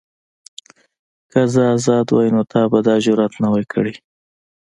که زه ازاد وای نو تا به دا جرئت نه وای کړی.